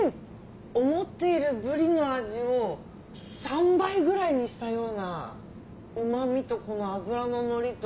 思っているブリの味を３倍ぐらいにしたようなうま味とこの脂ののりと。